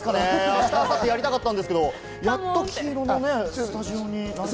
明日、明後日やりたかったんですけれども、黄色のスタジオに。